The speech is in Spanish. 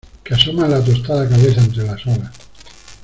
que asoman la tostada cabeza entre las olas